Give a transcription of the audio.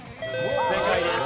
正解です。